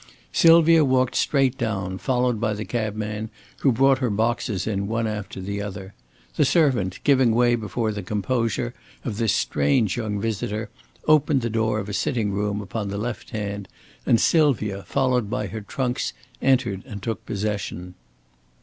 Sylvia walked straight down, followed by the cabman who brought her boxes in one after the other. The servant, giving way before the composure of this strange young visitor, opened the door of a sitting room upon the left hand, and Sylvia, followed by her trunks, entered and took possession.